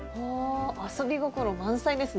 遊び心満載ですね。